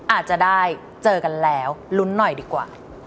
อาจจะได้เจอกันแล้วลุ้นหน่อยดีกว่า